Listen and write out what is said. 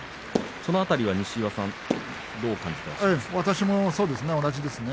その辺りは西岩さんはどう感じてらっしゃいますか？